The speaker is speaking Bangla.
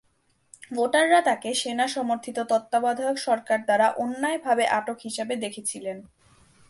ভোটাররা তাকে সেনা সমর্থিত তত্ত্বাবধায়ক সরকার দ্বারা অন্যায়ভাবে আটক হিসাবে দেখেছিলেন।